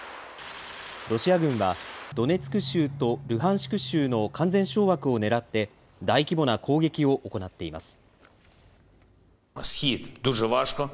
ロシア軍は、ドネツク州とルハンシク州の完全掌握をねらって、大規模な攻撃を行っています。